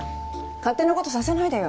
勝手なことさせないでよ。